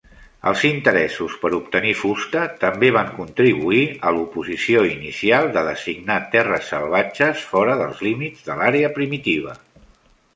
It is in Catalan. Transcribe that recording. Els interessos per obtenir fusta també van contribuir a l'oposició inicial de designar terres salvatges fora dels límits de l'àrea primitiva.